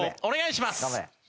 お願いします。